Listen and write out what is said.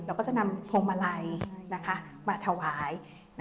ก็จะนำพวงมาลัยมาถวาย